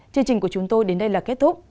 chương trình của chúng tôi đến đây là kết thúc